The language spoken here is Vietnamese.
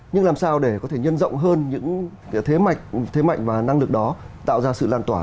nhưng làm sao để có thể nhân rộng hơn những thế mạnh thế mạnh và năng lực đó tạo ra sự lan tỏa